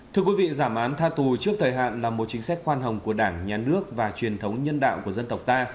thưa quý vị giảm án tha tù trước thời hạn là một chính sách khoan hồng của đảng nhà nước và truyền thống nhân đạo của dân tộc ta